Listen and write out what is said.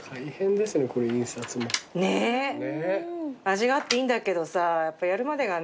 味があっていいんだけどさやっぱやるまでがね。